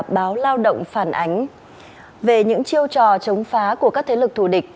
báo lao động phản ánh về những chiêu trò chống phá của các thế lực thù địch